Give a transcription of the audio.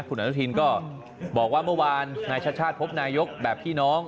คุณอนุทินก็บอกว่าเมื่อวานนายชาติชาติพบนายกแบบพี่น้อง